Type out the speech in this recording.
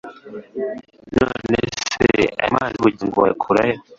none se ayo mazi y'ubugingo wayakura he?